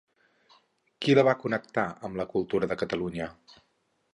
Qui la va connectar amb la cultura de Catalunya?